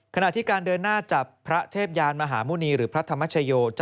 ขณะที่การเดินหน้าจับพระเทพยานมหาหมุณีหรือพระธรรมชโย